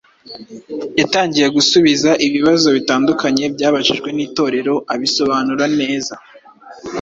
Yatangiye gusubiza ibibazo bitandukanye byabajijwe n’Itorero abisobanura neza,